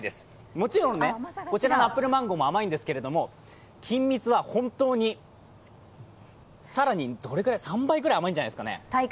もちろんね、こちらのアップルマンゴーも甘いんですけどもキンミツは本当に、更に、３番くらい甘いんじゃないですかね